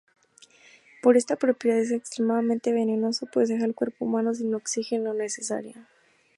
Por esta propiedad es "extremadamente venenoso", pues deja al cuerpo humano sin oxígeno necesario.